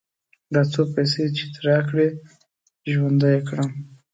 دا څو پيسې چې دې راکړې؛ ژوندی يې کړم.